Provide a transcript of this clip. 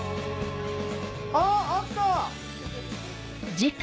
ああった！